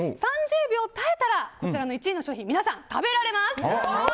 ３０秒耐えたら、１位の商品を皆さん食べられます。